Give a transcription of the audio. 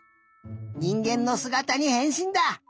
にんげんのすがたにへんしんだ！